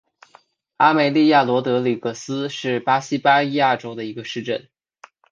阿梅利娅罗德里格斯是巴西巴伊亚州的一个市镇。